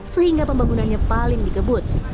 sehingga pembangunannya paling dikebut